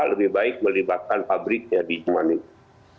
lebih baik melibatkan pabriknya di jerman itu